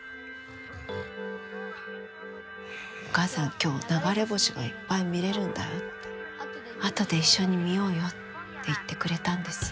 お母さん今日流れ星がいっぱい見れるんだよって後で一緒に見ようよって言ってくれたんです。